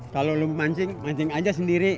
kalau belum mancing mancing aja sendiri